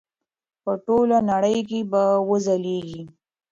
په ټوله نړۍ کې به وځلیږي.